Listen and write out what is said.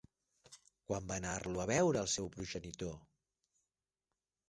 Quan va anar-lo a veure el seu progenitor?